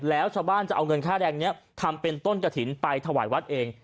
แล้วชาวบ้านจะเอาเงินค่าแรงนี้ทำเป็นต้นกระถิ่นไปถวายวัดเอง